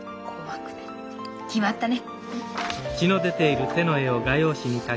決まったね。